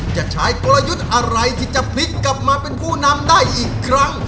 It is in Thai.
จะใช้กลยุทธ์อะไรที่จะพลิกกลับมาเป็นผู้นำได้อีกครั้ง